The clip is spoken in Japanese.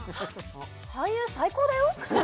俳優最高だよ